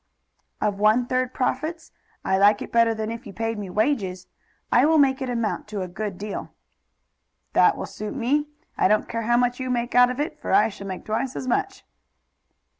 "Of one third profits? I like it better than if you paid me wages. I will make it amount to a good deal." "That will suit me. I don't care how much you make out of it, for I shall make twice as much."